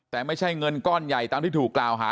แต่ไม่ใช่เงินก้อนใหญ่ตามที่ถูกกล่าวหา